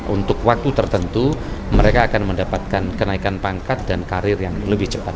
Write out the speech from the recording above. untuk waktu tertentu mereka akan mendapatkan kenaikan pangkat dan karir yang lebih cepat